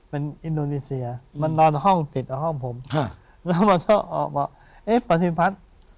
เป็นอินโดนีเซียมานอนห้องติดกับห้องผมแล้วมันก็ออกบอกเอ๊ะปฏิพัฒน์